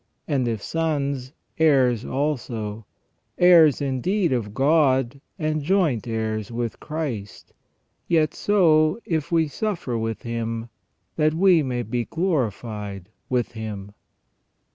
And if sons, heirs also — heirs indeed of God and joint heirs with Christ — yet so if we suffer with Him, that we may be glorified with Him."